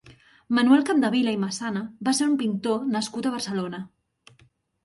Manuel Capdevila i Massana va ser un pintor nascut a Barcelona.